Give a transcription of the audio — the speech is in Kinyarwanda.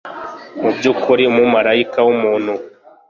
mubyukuri umumarayika wubuntu